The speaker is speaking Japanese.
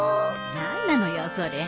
何なのよそれ。